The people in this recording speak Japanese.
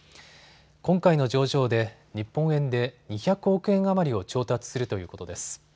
今回の上場で日本円で２００億円余りを調達するということです。